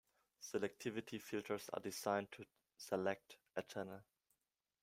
Selectivity filters are designed to "select" a channel.